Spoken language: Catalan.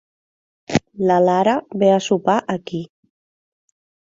La Lara ve a sopar aquí.